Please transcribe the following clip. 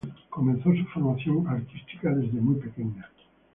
Comenzó su formación artística desde muy pequeña.